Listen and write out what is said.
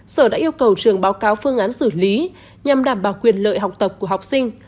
sở đã yêu cầu trường báo cáo phương án xử lý nhằm đảm bảo quyền lợi học tập của học sinh